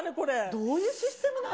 どういうシステムなの？